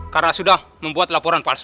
karena sudah membuat laporan palsu